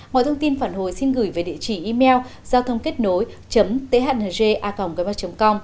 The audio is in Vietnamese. mọi thông tin phản hồi xin gửi về địa chỉ email giao thôngkếtnối thng com